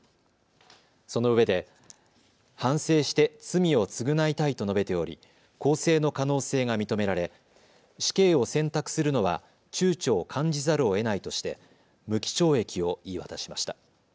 そのうえで反省して罪を償いたいと述べており更生の可能性が認められ、死刑を選択するのはちゅうちょを感じざるをえないとして無期懲役を言い渡しました。